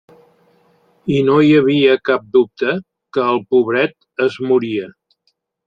I no hi havia cap dubte que el pobret es moria.